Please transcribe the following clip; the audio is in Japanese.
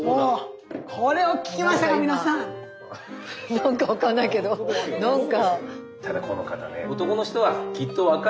何かわかんないけど何か。